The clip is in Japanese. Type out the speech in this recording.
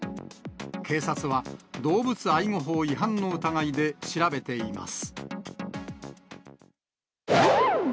警察は動物愛護法違反の疑いで調べています。